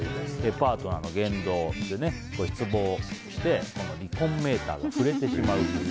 パートナーの言動で失望して離婚メーターが振れてしまう。